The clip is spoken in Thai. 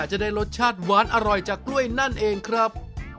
จะได้รสชาติหวานอร่อยจากกล้วยนั่นเองครับ